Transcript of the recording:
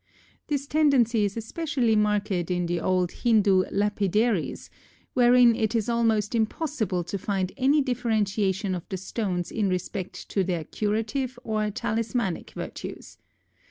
This tendency is especially marked in the old Hindu Lapidaries, wherein it is almost impossible to find any differentiation of the stones in respect to their curative or talismanic virtues.